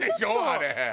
あれ。